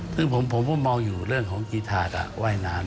ซึ่งผมก็มองอยู่เรื่องของกีธาตว่ายน้ำ